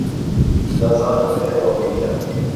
دەزانم ئێوە وریان.